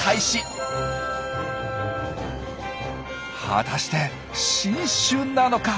果たして新種なのか！？